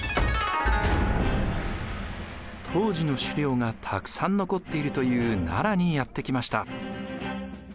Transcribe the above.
当時の資料がたくさん残っているという奈良にやって来ました。